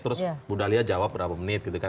terus bunda lia jawab berapa menit gitu kan